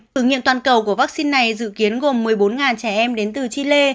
thử nghiệm toàn cầu của vaccine này dự kiến gồm một mươi bốn trẻ em đến từ chile